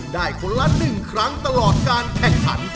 ได้คนละหนึ่งครั้งตลอดการแข่งขัน